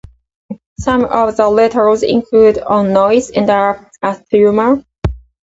Some of the letters include "On Noise" and "Asthma".